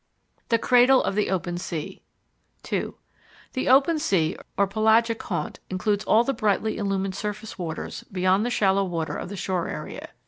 The Cradle of the Open Sea 2. The open sea or pelagic haunt includes all the brightly illumined surface waters beyond the shallow water of the shore area.